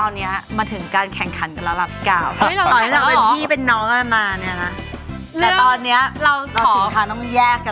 นี่ค่ะหลังจากที่เราเนี้ย